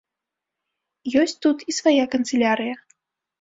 Ёсць тут і свая канцылярыя.